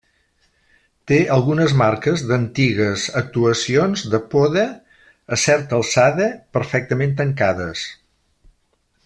Té algunes marques d'antigues actuacions de poda a certa alçada perfectament tancades.